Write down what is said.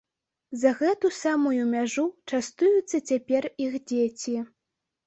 За гэту самую мяжу частуюцца цяпер іх дзеці.